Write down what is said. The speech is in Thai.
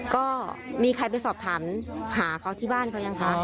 ก็มีใครไปสอบถามหาเขาที่บ้านเขายังคะ